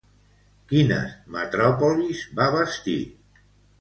Quines metròpolis va bastir?